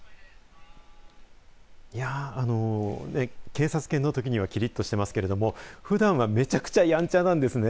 警察犬のときにはきりっとしていますけれどもふだんは、めちゃくちゃやんちゃなんですね。